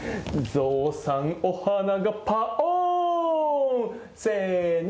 「ゾウさんおはながパオン」せの。